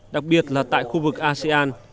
đặc biệt là tại khu vực asean